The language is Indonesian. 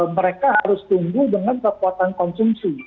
mereka harus tumbuh dengan kekuatan konsumsi